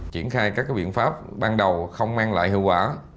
triển khai các biện pháp ban đầu không mang lại hiệu quả